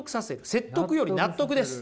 説得より納得です。